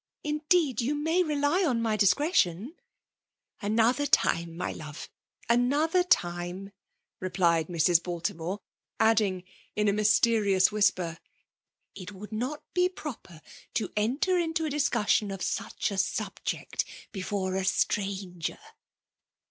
Indeed you may rely on my discretion !"" Another time, my love — another time," re 158 FEMALE DOMINATION. plied Mrs. Baltimore ; adding, in a mysterious whisper, *' it would not be proper to enter into a discussion of such a subject before a stranger."